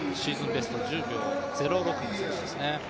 ベスト１０秒０６の選手ですね。